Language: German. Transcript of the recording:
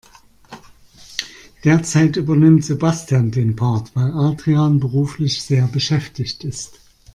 Derzeit übernimmt Sebastian den Part, weil Adrian beruflich sehr beschäftigt ist.